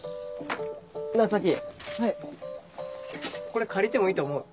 これ借りてもいいと思う？